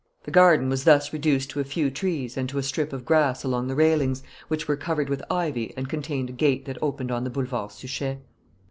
The garden was thus reduced to a few trees and to a strip of grass along the railings, which were covered with ivy and contained a gate that opened on the Boulevard Suchet.